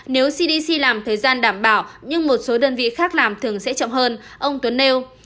nếu cdc làm thời gian đảm bảo nhưng một số đơn vị khác làm thường sẽ chậm hơn ông tuấn nêu